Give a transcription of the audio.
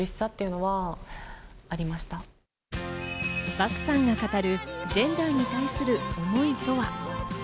漠さんが語る、ジェンダーに対する思いとは。